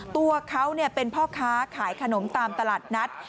ตัวเขาเป็นพ่อค้าขายขนมตามตลาดนัด